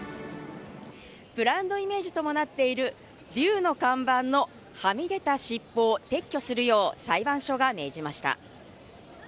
ブランドイメージともなっている竜の看板のはみ出た尻尾を撤去するよう裁判所が命じました。